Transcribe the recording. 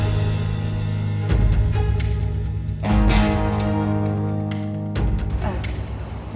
dia nanti bulan keientan